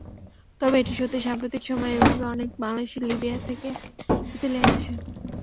তবে এটি সত্যি, সাম্প্রতিক সময়ে এভাবে অনেক বাংলাদেশি লিবিয়া থেকে ইতালি আসছে।